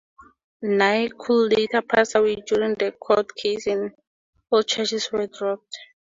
Nay would later pass away during the court case and all charges were dropped.